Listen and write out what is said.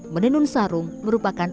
menenun sarung merupakan